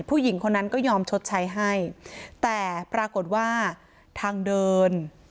ผู้หญิงคนนั้นก็ยอมชดใช้ให้แต่ปรากฏว่าทางเดิน